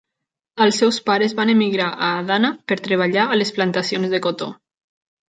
Els seus pares van emigrar a Adana per treballar a les plantacions de cotó.